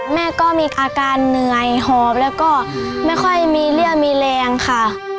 แม่ก็มีอาการเหนื่อยหอบแล้วก็ไม่ค่อยมีเลี่ยมีแรงค่ะ